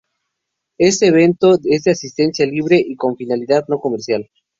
Este evento es de asistencia libre y con finalidad no comercial.